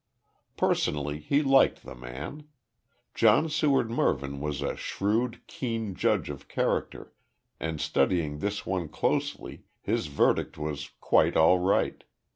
Personally, he liked the man. John Seward Mervyn was a shrewd, keen judge of character, and studying this one closely, his verdict was "quite all right."